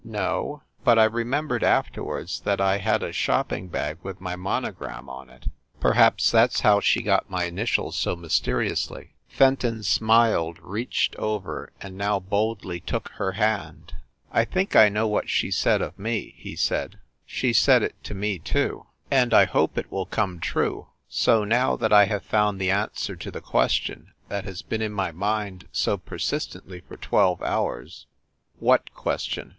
"No. But I remembered afterward that I had a shopping bag with my monogram on it perhaps that s how she got my initials so mysteriously." Fenton smiled, reached over and now boldly took 326 FIND THE WOMAN her hand. "I think I know what she said of me," he said. "She said it to me, too. And I hope it will come true. So, now that I have found the answer to the question that has been in my mind so persist ently for twelve hours " "What question?"